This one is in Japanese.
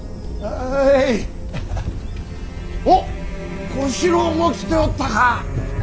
おっ小四郎も来ておったか。